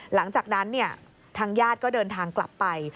หลังจากนั้นทางญาติก็เดินทางกลับไป